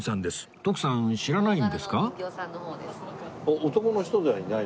徳さん知らないんですか？